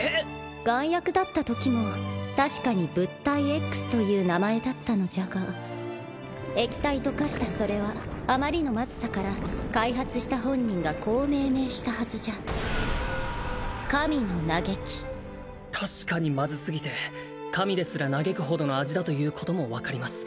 丸薬だったときも確かに物体Ｘという名前だったのじゃが液体と化したそれはあまりのマズさから開発した本人がこう命名したはずじゃ確かにマズすぎて神ですら嘆くほどの味だということも分かります